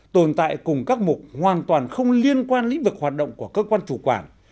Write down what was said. tồn tại cùng các mục hoàn toàn không liên quan lĩnh vực hoạt động của cơ quan chủ quản